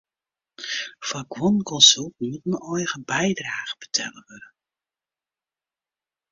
Foar guon konsulten moat in eigen bydrage betelle wurde.